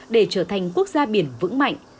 để trở thành quốc gia biển vững mạnh